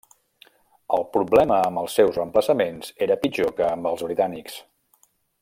El problema amb els seus reemplaçaments era pitjor que amb els britànics.